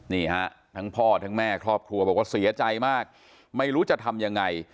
นี่ฮะทั้งพ่อทั้งแม่ครอบครัวบอกว่าเสียใจมากไม่รู้จะทำยังไง